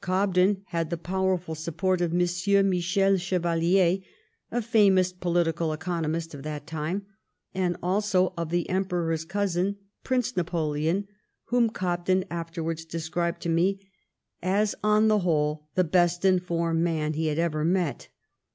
Cobden had the powerful support of Monsieur Michel Chevalier, a famous political economist of that time, and also of the Emperor's cousin. Prince Napoleon, whom Cobden afterwards described to me as on the whole the best informed man he had ever met.